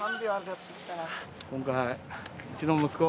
今回、うちの息子